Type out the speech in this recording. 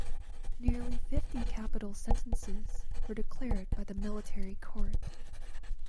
Nearly fifty capital sentences were declared by the military court.